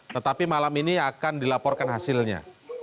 tetapi malam ini akan dilaporkan hasilnya